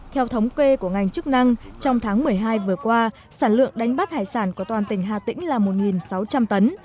theo thống kê của ngành chức năng trong tháng một mươi hai vừa qua sản lượng đánh bắt hải sản của toàn tỉnh hà tĩnh là một sáu trăm linh tấn